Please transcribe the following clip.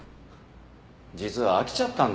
実は飽きちゃったんだよ